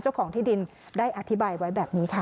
เจ้าของที่ดินได้อธิบายไว้แบบนี้ค่ะ